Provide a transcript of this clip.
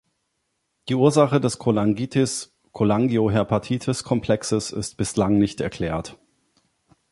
Die Ursache des Cholangitis-Cholangiohepatitis-Komplexes ist bislang nicht erklärt.